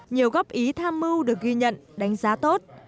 nhiều góp ý tham mưu được ghi nhận đánh giá tốt